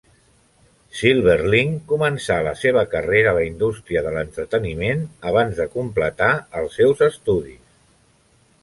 Silberling començà la seva carrera a la indústria de l'entreteniment abans de completar els seus estudis.